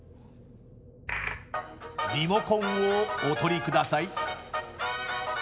リモコンをお取りください。